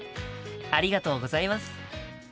ありがとうございます。